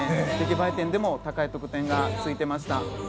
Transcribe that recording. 出来栄え点でも高い得点がついていました。